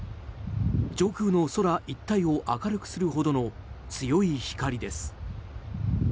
上空の空一帯を明るくするほどの強い光です。